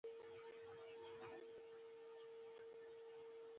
هیواد مې د شهیدانو امانت دی